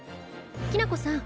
きな子さん。